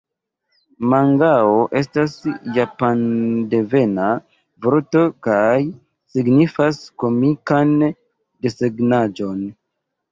Mangao estas japandevana vorto kaj signifas komikan desegnaĵon.